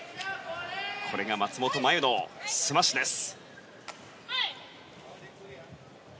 これが松本麻佑のスマッシュです。